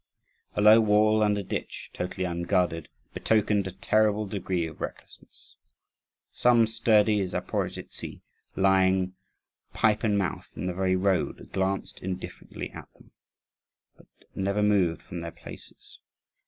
A low wall and a ditch, totally unguarded, betokened a terrible degree of recklessness. Some sturdy Zaporozhtzi lying, pipe in mouth, in the very road, glanced indifferently at them, but never moved from their places.